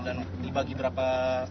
dan dibagi berapa